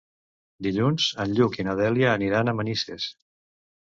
Dilluns en Lluc i na Dèlia aniran a Manises.